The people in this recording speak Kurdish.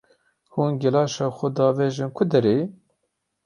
Hûn gelaşa xwe diavêjin ku derê?